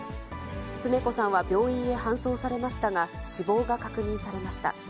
常子さんは病院へ搬送されましたが、死亡が確認されました。